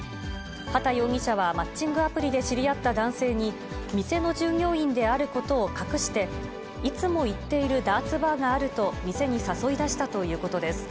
畠容疑者はマッチングアプリで知り合った男性に、店の従業員であることを隠して、いつも行っているダーツバーがあると店に誘い出したということです。